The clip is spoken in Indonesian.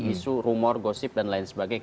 isu rumor gosip dan lain sebagainya